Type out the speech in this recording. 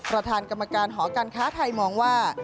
ประธานกรรมการหอการค้าไทยมองว่า